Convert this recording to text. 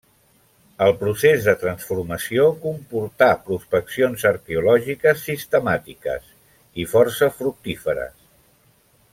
El procés de transformació comportà prospeccions arqueològiques sistemàtiques, i força fructíferes.